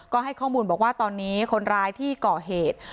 ก็ให้ข้อมูลบอกว่าตอนนี้คนร้ายที่ก่อเหตุ